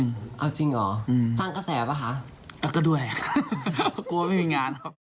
เอาจริงเหรอสร้างกระแสเปล่าคะ